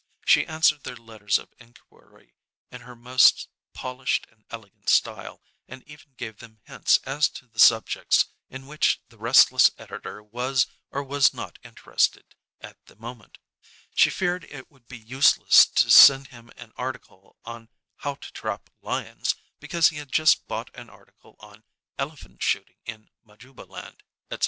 She answered their letters of inquiry in her most polished and elegant style, and even gave them hints as to the subjects in which the restless editor was or was not interested at the moment: she feared it would be useless to send him an article on "How to Trap Lions," because he had just bought an article on "Elephant Shooting in Majuba Land," etc.